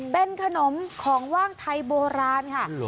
เป็นขนมของว่างไทยโบราณค่ะ